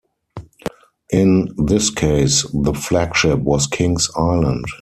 In this case, the flagship was Kings Island.